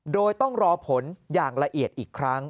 โดยต้องรอผลอย่างละเอียดอีกครั้ง